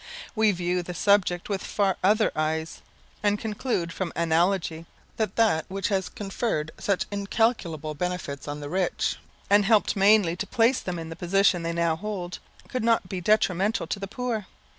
We view the subject with far other eyes, and conclude from analogy, that that which has conferred such incalculable benefits on the rich, and helped mainly to place them in the position they now hold, could not be detrimental to the poor.